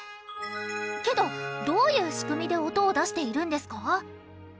けどどういう仕組みで音を出しているんですか？